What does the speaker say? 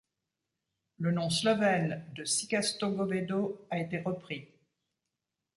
Le nom slovène de cikasto govedo a été repris.